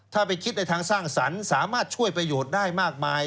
ถ้าไปคิดในทางสร้างสรรค์สามารถช่วยประโยชน์ได้มากมาย